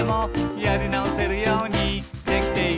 「やりなおせるようにできている」